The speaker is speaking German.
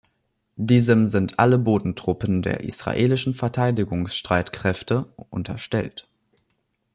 Diesem sind alle Bodentruppen der israelischen Verteidigungsstreitkräfte unterstellt.